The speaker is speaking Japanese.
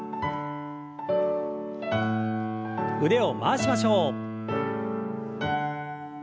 腕を回しましょう。